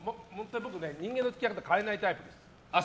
僕、人間の付き合い方変えないタイプです。